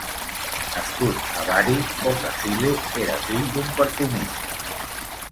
Nascut a Bari, Boccasile era fill d'un perfumista.